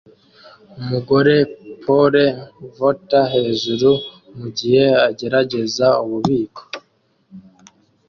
Umugore pole vaulter hejuru mugihe agerageza ububiko